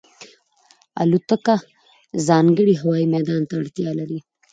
الوتکه ځانګړی هوايي میدان ته اړتیا لري.